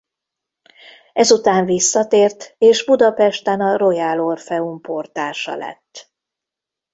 Ezután visszatért és Budapesten a Royal-Orfeum portása lett.